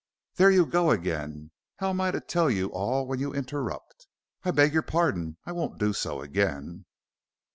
"There you go again. How am I to tell you all when you interrupt." "I beg your pardon. I won't do so again."